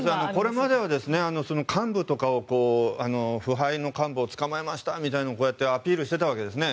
これまでは幹部とかを腐敗の幹部を捕まえましたみたいにアピールしていたわけですね。